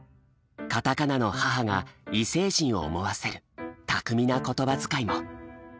カタカナの「ハハ」が異星人を思わせる巧みな言葉づかいも。